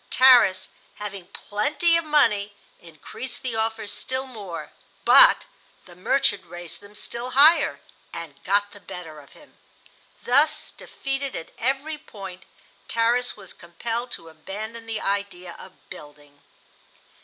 Tarras, having plenty of money, increased the offers still more; but the "merchant" raised them still higher and got the better of him. Thus, defeated at every point, Tarras was compelled to abandon the idea of building.